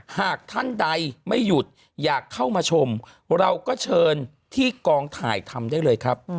หากท่านใดไม่หยุดอยากเข้ามาชมเราก็เชิญที่กองถ่ายทำได้เลยครับ